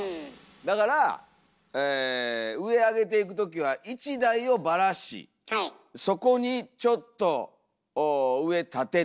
だからえ上あげていく時は１台をばらしそこにちょっと上たてて。